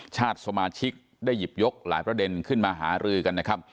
ชาติสมาชิกได้หยิบยกหลายประเด็นขึ้นมาหารือกันนะครับ